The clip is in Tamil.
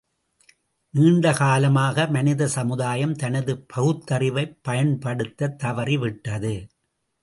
நீண்ட காலமாக மனிதசமுதாயம் தனது பகுத்தறிவைப் பயன்படுத்தத் தவறிவிட்டது.